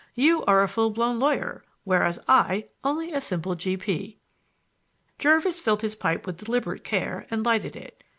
You are a full blown lawyer, whereas I am only a simple G.P." Jervis filled his pipe with deliberate care and lighted it.